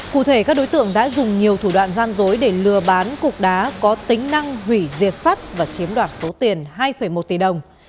cụ thể các đối tượng đã dùng nhiều thủ đoạn gian dối để lừa bán cục đá có tính năng hủy diệt sắt và chiếm đoạt số tiền hai một tỷ đồng